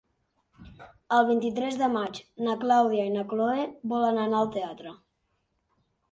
El vint-i-tres de maig na Clàudia i na Cloè volen anar al teatre.